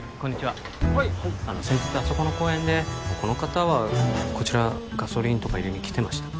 はい先日あそこの公園でこの方はこちらガソリンとか入れに来てました？